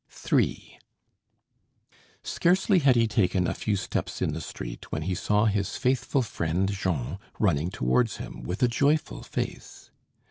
III Scarcely had he taken a few steps in the street, when he saw his faithful friend Jean running towards him with a joyful face.